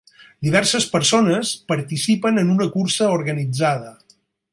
Diverses persones participen en una cursa organitzada.